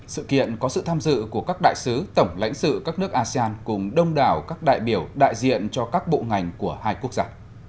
sự kiện có sự tham dự của các đại sứ tổng lãnh sự các nước asean cùng đông đảo các đại biểu đại diện cho các bộ ngành của hai quốc gia